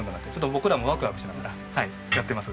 僕らもワクワクしながらやってます。